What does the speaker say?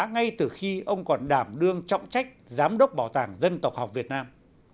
ngay từ khi ông còn đảm đương trọng trách giám đốc bảo tàng dân tộc học việt nam